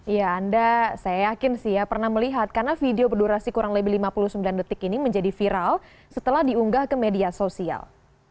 ya anda saya yakin sih ya pernah melihat karena video berdurasi kurang lebih lima puluh sembilan detik ini menjadi viral setelah diunggah ke media sosial